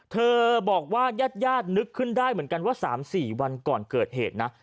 เธอบอกว่าญาตินึกขึ้นได้เหมือนกันว่า๓๔วันก่อนเกิดเหตุนะ